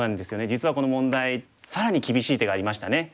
実はこの問題更に厳しい手がありましたね。